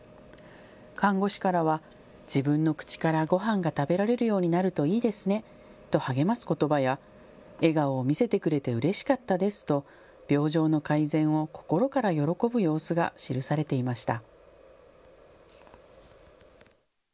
看護師からは、自分の口からごはんが食べられるようになるといいですねと励ますことばや笑顔を見せてくれてうれしかったですと病状の改善を心から喜ぶ様子が記されていました。